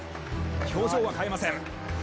表情は変えません。